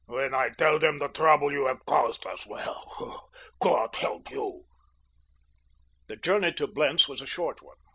When I tell them the trouble you have caused us—well, God help you." The journey to Blentz was a short one.